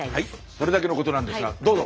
それだけのことなんですがどうぞ！